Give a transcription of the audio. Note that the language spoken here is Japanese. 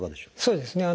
そうですね